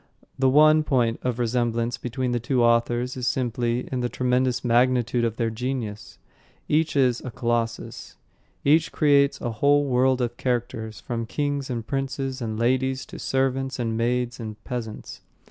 The one point of resemblance between the two authors is simply in the tremendous magnitude of their genius. Each is a Colossus. Each creates a whole world of characters, from kings and princes and ladies to servants and maids and peasants.